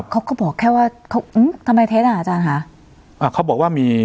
เขาบอกแค่ว่าทำไมเท็จอ่ะอาจารย์คะ